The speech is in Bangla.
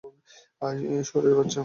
আয় শুয়োরের বাচ্চারা।